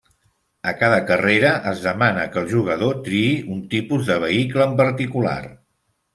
A cada carrera es demana que el jugador triï un tipus de vehicle en particular.